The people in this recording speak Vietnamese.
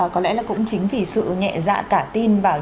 có lẽ là cũng chính vì sự nhẹ dạ cả tin vào những lời nói của các đối tượng